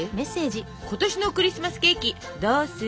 「今年のクリスマスケーキどうする？」。